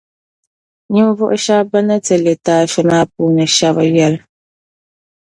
Ninvuɣu shεba bɛ ni ti litaafi maa puuni shεba yεli.